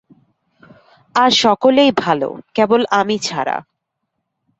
আর সকলেই ভালো, কেবল আমি ছাড়া।